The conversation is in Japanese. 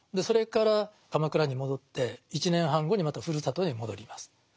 それから鎌倉に戻って１年半後にまたふるさとに戻ります。